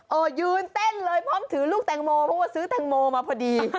ยืนเต้นเลยพร้อมถือลูกแตงโมเพราะว่าซื้อแตงโมมาพอดี